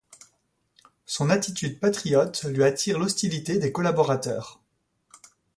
Son attitude patriote lui attire l'hostilité des collaborateurs.